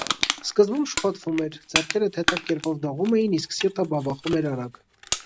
Սկզբում շփոթվում էր, ձեռքերը թեթև կերպով դողում էին, իսկ սիրտը բաբախում էր արագ: